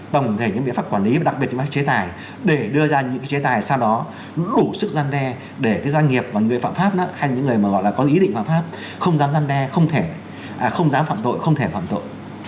tổng thể những biện pháp quản lý và đặc biệt những chế tài để đưa ra những chế tài sau đó đủ sức gian đe để cái doanh nghiệp và người phạm pháp hay những người mà gọi là có ý định phạm pháp không dám gian đe không thể không dám phạm tội không thể phạm tội